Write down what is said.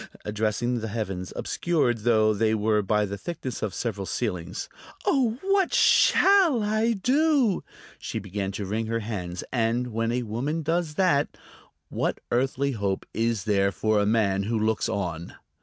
addressing the heavens, obscured though they were by the thickness of several ceilings. "Oh, what shall I do?" She began to wring her hands, and when a woman does that what earthly hope is there for the man who looks on?